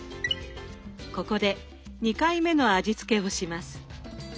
ここで２回目の味付けをします。